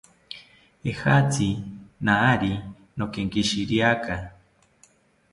Ejatzi naari nokenkishiriaka